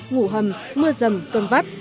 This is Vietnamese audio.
ngủ hầm mưa rầm cơn vắt